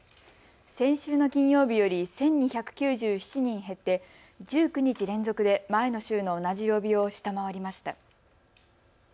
先週の金曜日より１２９７人減って１９日連続で前の週の同じ曜日を下回りました。